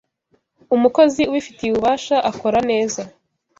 umukozi ubifitiye ububasha akora neza